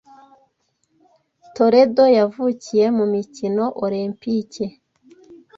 Toledo yavukiye mu mikino Olempike